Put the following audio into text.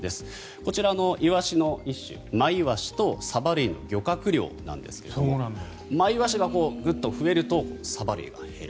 こちらのイワシの一種マイワシとサバ類の漁獲量なんですがマイワシがグッと増えるとサバ類が減る。